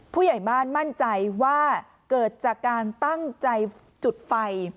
ผู้ใหญ่บ้านมั่นใจว่าเกิดจากการตั้งใจจุดไฟ